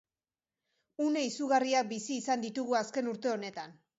Une izugarriak bizi izan ditugu azken urte honetan.